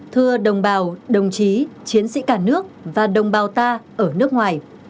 thưa đồng bào đồng chí chiến sĩ cả nước và đồng bào ta ở nước ngoài